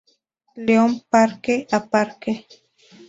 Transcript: León Parque a Parque.